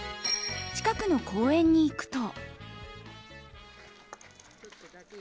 近くの公園に行くと。